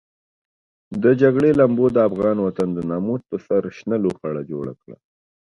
د جګړې لمبو د افغان وطن د ناموس پر سر شنه لوخړه جوړه کړه.